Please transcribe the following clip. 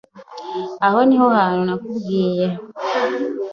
Aha niho hantu nakubwiye.